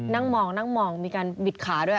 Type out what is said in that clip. นั่งมองนั่งมองมีการบิดขาด้วย